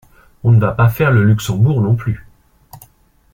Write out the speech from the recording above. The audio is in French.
on va pas faire le Luxembourg non plus.